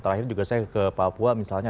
terakhir juga saya ke papua misalnya